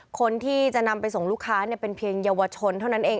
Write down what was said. คนที่จะนำไปส่งลูกค้าเป็นเพียงเยาวชนเท่านั้นเอง